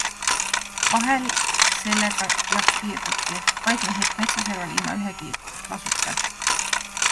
Vahel sellega jaht piirdubki - vaikne hetk metsaserval, ilma ühegi lasuta.